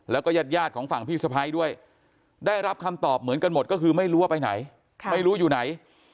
แล้วก็ญาติของฝั่งพี่สะพ้ายด้วยได้รับคำตอบเหมือนกันหมดก็คือไม่รู้ว่าไปไหนไม่รู้อยู่ไหน